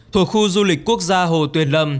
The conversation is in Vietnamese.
thuộc khu du lịch quốc gia hồ tuyền lâm